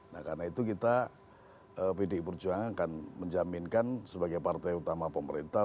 nah karena itu kita pdi perjuangan akan menjaminkan sebagai partai utama pemerintah